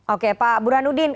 oke pak burhanuddin